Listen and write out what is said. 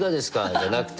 じゃなくて。